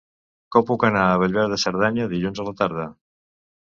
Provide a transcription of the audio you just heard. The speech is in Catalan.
Com puc anar a Bellver de Cerdanya dilluns a la tarda?